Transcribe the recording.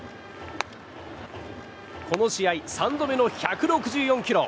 この試合、３度目の１６４キロ。